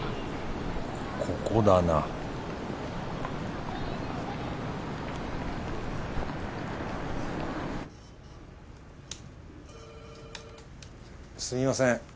ここだなすみません。